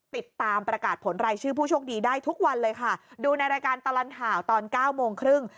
ติดตามประกาศผลรายชื่อผู้โชคดีได้ทุกวันเลยค่ะดูในรายการตลอดข่าวตอนเก้าโมงครึ่ง